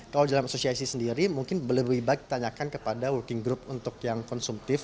kalau dalam asosiasi sendiri mungkin lebih baik ditanyakan kepada working group untuk yang konsumtif